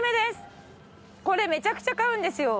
これめちゃくちゃ買うんですよ。